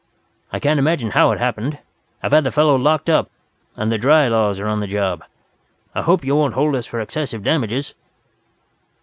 "I can't imagine how it happened. I've had the fellow locked up, and the 'dry laws' are on the job. I hope you won't hold us for excessive damages."